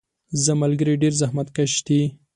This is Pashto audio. زما ملګري ډیر زحمت کش دي.